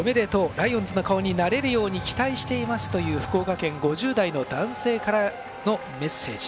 ライオンズの顔になれるように期待していますという福岡県５０代の男性からのメッセージ。